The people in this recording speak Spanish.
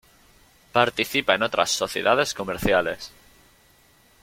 Participa en otras sociedades comerciales.